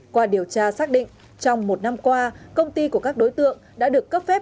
qua điều tra xác định trong một năm qua công ty của các đối tượng đã được cấp phép